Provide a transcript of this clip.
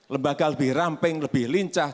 lembaga lebih ramping lebih lincah